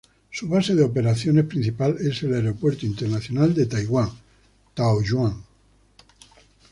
Su base de operaciones principal es el Aeropuerto Internacional de Taiwán Taoyuan.